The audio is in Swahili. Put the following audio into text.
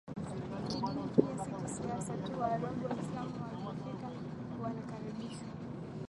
kidini pia si kisiasa tu Waarabu Waislamu walipofika walikaribishwa